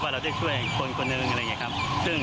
ผมรู้สึกว่าแต่ยายเชิญผมยายบอกผมหน้า